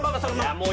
もう。